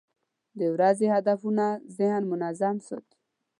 د ورځې هدفونه ذهن منظم ساتي.